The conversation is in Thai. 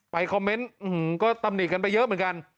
คอมเมนต์ก็ตำหนิกันไปเยอะเหมือนกัน